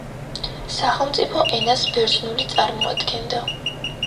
სახელმწიფო ენას ბერძნული წარმოადგენდა.